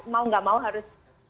mau nggak mau harus